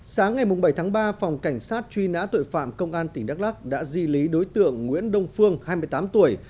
sáng ngày bảy tháng ba phòng cảnh sát truy nã tội phạm công an tỉnh đắk lắc đã di lý đối tượng nguyễn đông phương hai mươi tám tuổi